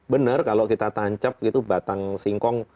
bener kalau kita tancap batang singkong